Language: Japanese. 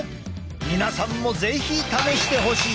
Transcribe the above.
皆さんも是非試してほしい！